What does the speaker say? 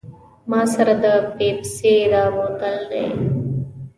ما سره د پیپسي دا بوتل دی.